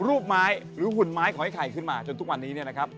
รูปไม้หรือหุ่นไม้ขอให้ไข่ขึ้นมาจนทุกวันนี้เนี่ยนะครับ